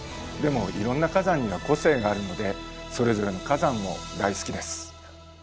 でもいろんな火山には個性があるのでそれぞれの火山も大好きです。